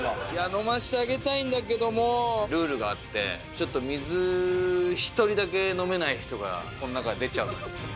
飲ませてあげたいんだけどもルールがあって水１人だけ飲めない人がこの中に出ちゃう。